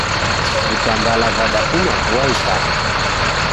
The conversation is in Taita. Vitambala vadafuma vua ikanya.